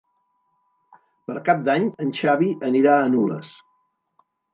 Per Cap d'Any en Xavi anirà a Nules.